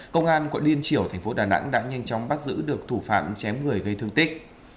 công an quận điên triểu tp đà nẵng đã nhanh chóng bắt giữ được thủ phạm chém người gây thương tích